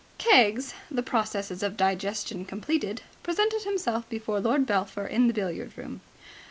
Keggs, the processes of digestion completed, presented himself before Lord Belpher in the billiard room.